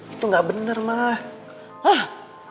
itu gak bener mak